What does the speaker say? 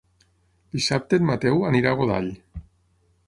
Dissabte en Mateu anirà a Godall.